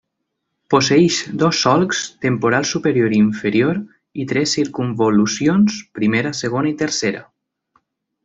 Posseeix dos solcs, temporal superior i inferior, i tres circumvolucions, primera, segona i tercera.